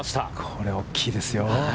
これ、大きいですよ。